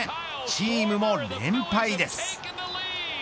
チームも連敗です。